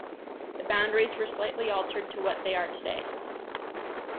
The boundaries were slightly altered to what they are today.